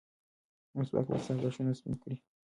مسواک به ستا غاښونه سپین کړي.